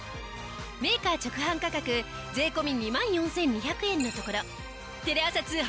メーカー直販価格税込２万４２００円のところテレ朝通販